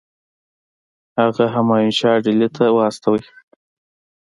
هغه همایون شاه ډهلي ته واستوي.